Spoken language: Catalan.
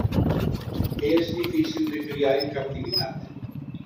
És difícil de criar en captivitat.